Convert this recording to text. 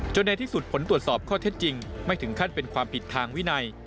ในที่สุดผลตรวจสอบข้อเท็จจริงไม่ถึงขั้นเป็นความผิดทางวินัย